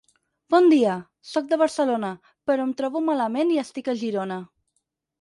Bon dia, soc de Barcelona, però em trobo malament i estic a Girona.